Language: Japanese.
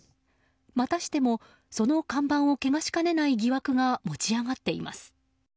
またしてもその看板をけがしかねない疑惑が持ち上がっています。